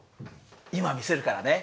今見せるからね。